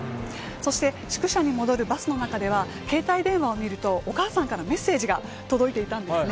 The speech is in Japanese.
そして、宿舎に戻るバスの中では携帯電話を見るとお母さんからメッセージが届いていたんです。